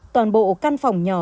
toàn bộ căn phòng nhỏ